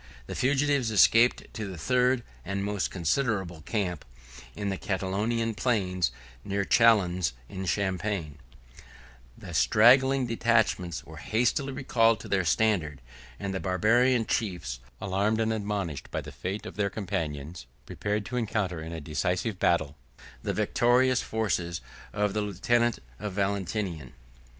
The fugitives escaped to the third, and most considerable, camp, in the Catalonian plains, near Châlons in Champagne: the straggling detachments were hastily recalled to their standard; and the Barbarian chiefs, alarmed and admonished by the fate of their companions, prepared to encounter, in a decisive battle, the victorious forces of the lieutenant of Valentinian.